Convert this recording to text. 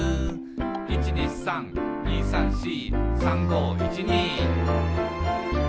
「１２３２３４」「３５１２」